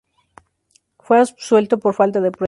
Fue absuelto por falta de pruebas.